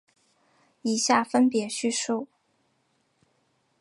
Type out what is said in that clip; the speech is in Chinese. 以下分别叙述。